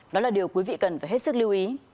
đó là điều quý vị cần phải hết sức lưu ý